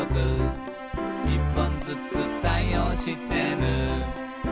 「１本ずつ対応してる」